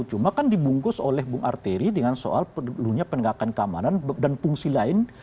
cuma kan dibungkus oleh bung arteri dengan soal perlunya penegakan keamanan dan fungsi lain